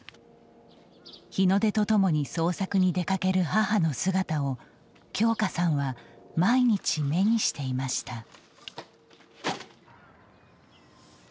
日の出とともに捜索に出かける母の姿を京佳さんは毎日、目にしていました。